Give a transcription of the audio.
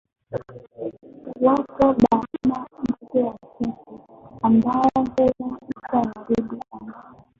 Wapo baina ndege wachache ambao hula nta ya wadudu-gamba.